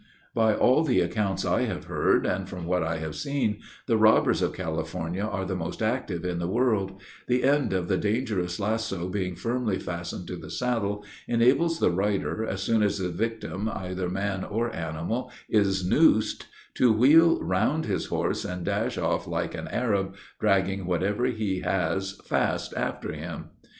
By all the accounts I have heard, and from what I have seen, the robbers of California are the most active in the world: the end of the dangerous lasso being firmly fastened to the saddle, enables the rider, as soon as his victim, either man or animal, is noosed, to wheel round his horse, and dash off like an Arab, dragging whatever he has fast after him.